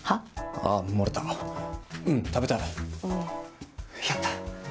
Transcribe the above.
あっ漏れたうん食べたいうんやった！